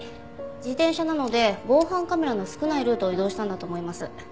自転車なので防犯カメラの少ないルートを移動したんだと思います。